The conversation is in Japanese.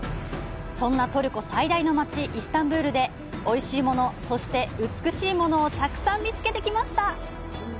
そんなトルコ最大の街・イスタンブルでおいしいもの、そして美しいものをたくさん見つけてきました！